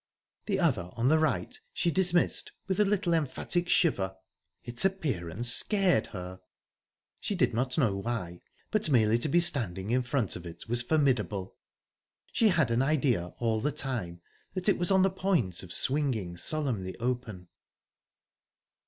The other, on the right, she dismissed with a little emphatic shiver. Its appearance scared her. She did not know why, but merely to be standing in front of it was formidable. She had an idea all the time that it was on the point of swinging solemnly open.